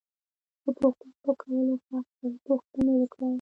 د پوښتنو په کولو خوښ شئ پوښتنې وکړئ.